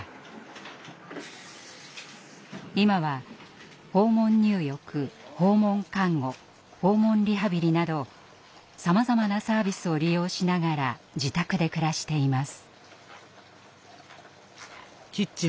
今は訪問入浴訪問看護訪問リハビリなどさまざまなサービスを利用しながら自宅で暮らしています。